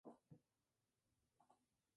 La economía local se basa en el turismo.